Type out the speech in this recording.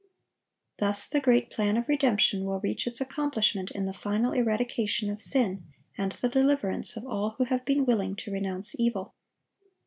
Thus the great plan of redemption will reach its accomplishment in the final eradication of sin, and the deliverance of all who have been willing to renounce evil.